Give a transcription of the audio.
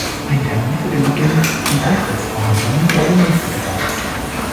Ein Termin für den Beginn von Beitrittsverhandlungen wurde nicht genannt.